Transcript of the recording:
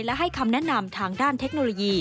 และให้คำแนะนำทางด้านเทคโนโลยี